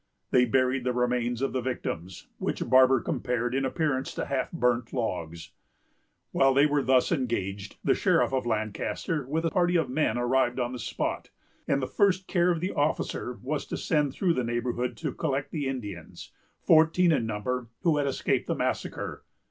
They buried the remains of the victims, which Barber compared in appearance to half burnt logs. While they were thus engaged, the sheriff of Lancaster, with a party of men, arrived on the spot; and the first care of the officer was to send through the neighborhood to collect the Indians, fourteen in number, who had escaped the massacre.